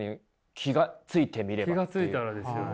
気が付いたらですよね。